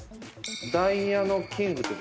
ダイヤのキングって。